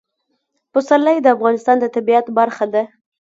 پسرلی د افغانستان د طبیعت برخه ده.